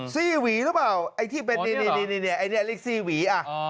ซี่หวีหรือเปล่าไอ้ที่เรียกซี่หวี